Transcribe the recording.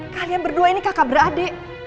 kalian berdua ini kakak beradik